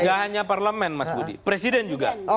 gak hanya parlemen mas budi presiden juga